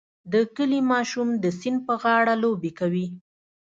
د کلي ماشوم د سیند په غاړه لوبې کوي.